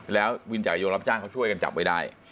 แล้ววินจักรยานยนรับจ้างเขาช่วยกันจับไว้ได้